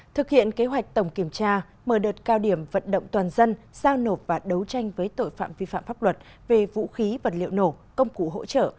thực hiện kế hoạch tổng kiểm tra mở đợt cao điểm vận động toàn dân giao nộp và đấu tranh với tội phạm vi phạm pháp luật về vũ khí vật liệu nổ công cụ hỗ trợ